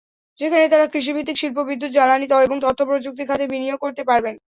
যেখানে তাঁরা কৃষিভিত্তিক শিল্প, বিদ্যুৎ, জ্বালানি এবং তথ্যপ্রযুক্তি খাতে বিনিয়োগ করতে পারবেন।